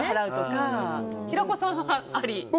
平子さんはあり？